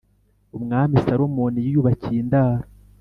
Umwami Salomoni yiyubakiye indaro